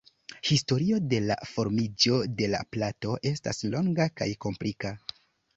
Historio de la formiĝo de la plato estas longa kaj komplika.